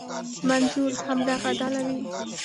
منظور همدغه ډله وي.